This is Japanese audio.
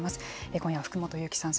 今夜は福本勇樹さん